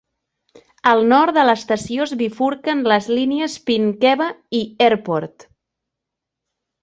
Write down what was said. Al nord de l'estació es bifurquen les línies Pinkenba i Airport.